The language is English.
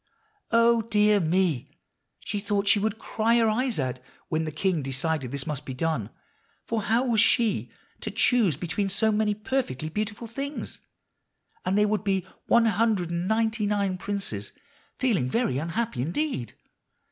Oh, dear me! she thought she would cry her eyes out when the king decided this must be done; for how was she to choose between so many perfectly beautiful things, and there would be one hundred and ninety nine princes feeling very unhappy indeed.